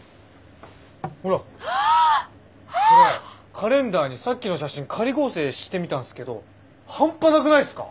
カレンダーにさっきの写真仮合成してみたんすけど半端なくないすか。